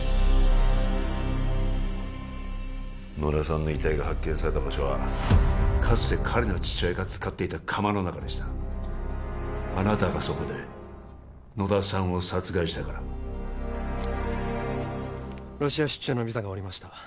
野田さんの遺体が発見された場所はかつて彼の父親が使っていた窯の中でしたあなたがそこで野田さんを殺害したからロシア出張のビザが下りました